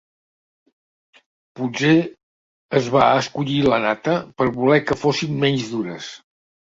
Potser es va escollir la nata per voler que fossin menys dures.